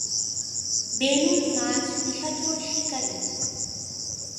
Balloon মাছ নিশাচর শিকারি।